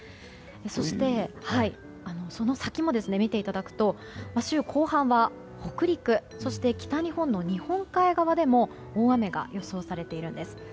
そして、その先も見ていただくと週後半は北陸そして北日本の日本海側でも大雨が予想されているんです。